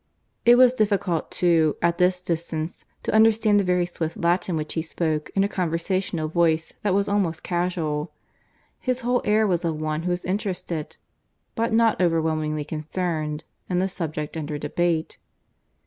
It was difficult too, at this distance, to understand the very swift Latin which he spoke in a conversational voice that was almost casual. His whole air was of one who is interested, but not overwhelmingly concerned, in the subject under debate.